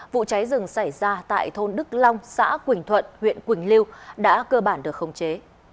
vụ cháy rừng xảy ra tại thôn đức long xã quỳnh thuận huyện quỳnh lưu đã cơ bản được khống chế